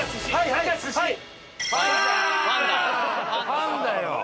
パンだよ。